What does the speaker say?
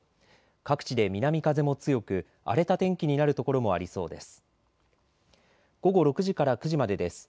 各地で南風も強く荒れた天気になる所もありそうです。